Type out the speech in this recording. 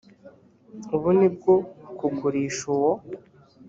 ubu n ubu bwo kugurisha uwo